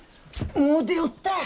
もう出よった。